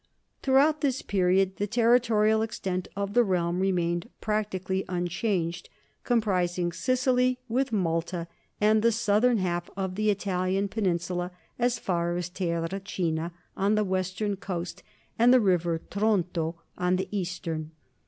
Throughout this period the territorial extent of the realm remained practically unchanged, comprising Sic ily, with Malta, and the southern half of the Italian peninsula as far as Terracina on the western coast and the river Tronto on the eastern.